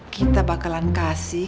kita bakalan kasih